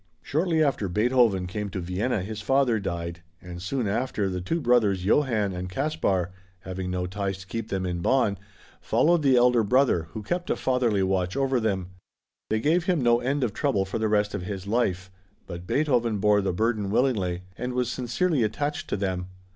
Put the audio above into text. Shortly after Beethoven came to Vienna, his father died, and soon after the two brothers Johann and Caspar, having no ties to keep them in Bonn, followed the elder brother, who kept a fatherly watch over them. They gave him no end of trouble for the rest of his life, but Beethoven bore the burden willingly and was sincerely attached to them.